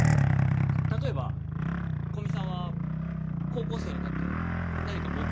例えば古見さんは高校生になって何か目標とかあります？